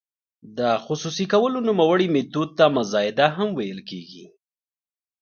د خصوصي کولو نوموړي میتود ته مزایده هم ویل کیږي.